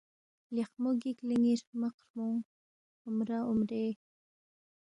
لیخمو گِک لے ن٘ی ہرمق ہرمُو امرا اُمرے